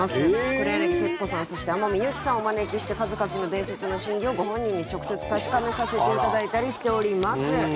黒柳徹子さんそして天海祐希さんをお招きして数々の伝説の真偽を、ご本人に直接確かめさせていただいたりしております。